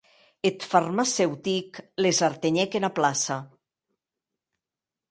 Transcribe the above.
Eth farmaceutic les artenhèc ena plaça.